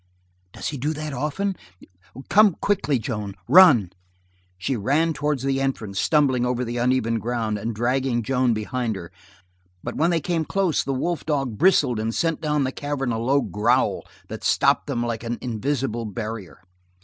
"Does he do that often? Come quickly, Joan. Run!" She ran towards the entrance, stumbling over the uneven ground and dragging Joan behind her, but when they came close the wolf dog bristled and sent down the cavern a low growl that stopped them like an invisible barrier.